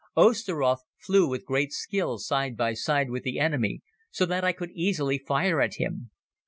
Osteroth flew with great skill side by side with the enemy so that I could easily fire at him.